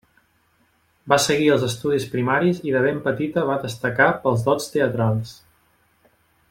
Va seguir els estudis primaris i de ben petita va destacar pels dots teatrals.